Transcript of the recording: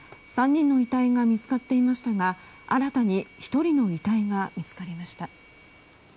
３人の遺体が見つかっていましたが新たに１人の遺体が見つかりました。